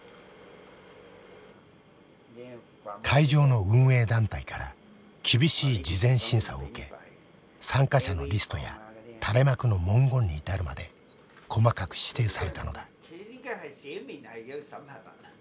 会場の運営団体から厳しい事前審査を受け参加者のリストや垂れ幕の文言に至るまで細かく指定されたのだ。